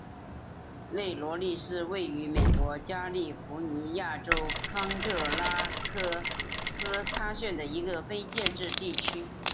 内罗利是位于美国加利福尼亚州康特拉科斯塔县的一个非建制地区。